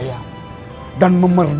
kamu harus berbunyi